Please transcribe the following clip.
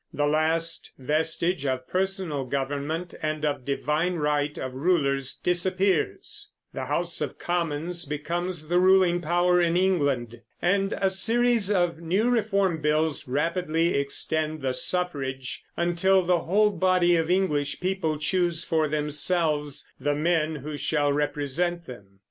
The last vestige of personal government and of the divine right of rulers disappears; the House of Commons becomes the ruling power in England; and a series of new reform bills rapidly extend the suffrage, until the whole body of English people choose for themselves the men who shall represent them.